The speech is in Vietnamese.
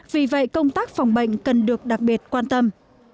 vì vậy công tác phòng bệnh cần được đặc biệt quan tâm